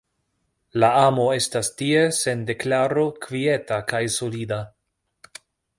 La amo estas tie, sen deklaro, kvieta kaj solida.